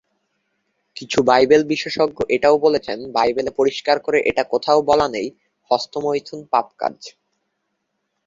কিছু বাইবেল বিশেষজ্ঞ এটাও বলেছেন, বাইবেলে পরিষ্কার করে এটা কোথাও বলা নেই, হস্তমৈথুন পাপ কাজ।